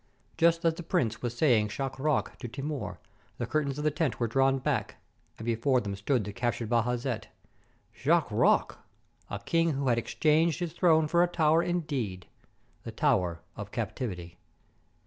Just as the prince was saying "Schach Roch!" to Timur, the curtains of the tent were drawn back, and before them stood the captured Baj azet. "Schach Roch!" A king who had exchanged his throne for a tower, indeed; the tower of captivity!